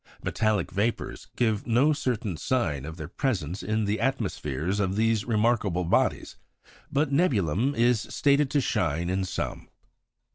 Metallic vapours give no certain sign of their presence in the atmospheres of these remarkable bodies; but nebulum is stated to shine in some.